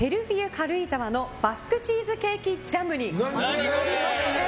軽井沢のバスクチーズケーキジャムになりますね。